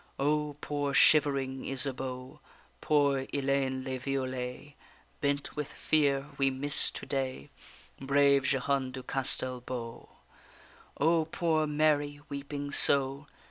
O poor shivering Isabeau; Poor Ellayne le Violet, Bent with fear! we miss to day Brave Jehane du Castel beau. O poor Mary, weeping so!